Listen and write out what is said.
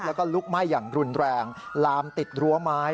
แล้วก็ลุกไหม้อย่างรุนแรงลามติดรั้วไม้